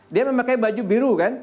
dia memakai baju biru kan